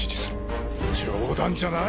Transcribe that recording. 冗談じゃない！